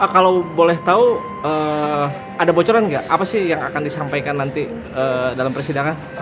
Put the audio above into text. kalau boleh tahu ada bocoran nggak apa sih yang akan disampaikan nanti dalam persidangan